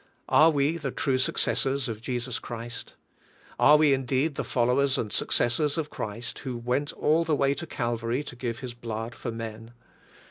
x\re we the true successors of Jesus Christ? Are we indeed the followers and successors of Christ who went all the way to Calvar}^ to give His blood for men?